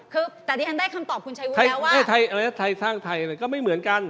คือแต่ดิฉันได้คำตอบคุณชัยวุฒิแล้วว่าไทยสร้างไทยก็ไม่เหมือนกัน